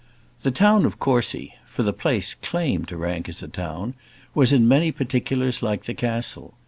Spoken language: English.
The town of Courcy for the place claimed to rank as a town was in many particulars like the castle.